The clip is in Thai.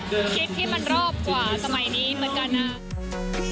คลิปที่มันรอบกว่าสมัยนี้เหมือนกันนะครับ